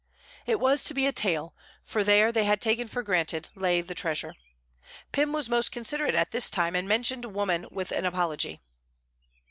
It was to be a tale, for there, they had taken for granted, lay the treasure. Pym was most considerate at this time, and mentioned woman with an apology.